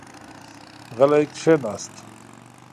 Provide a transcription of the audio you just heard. غلی کېناست.